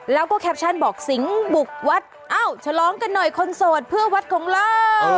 แล้วก็แคปชั่นบอกสิงห์บุกวัดเอ้าฉลองกันหน่อยคนโสดเพื่อวัดของเรา